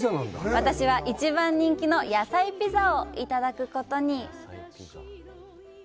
私は一番人気の野菜ピザをいただくことに！